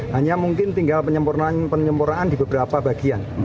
hanya mungkin tinggal penyempurnaan di beberapa bagian